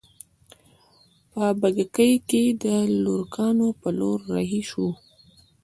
په بګۍ کې د لوکارنو په لور رهي شوو.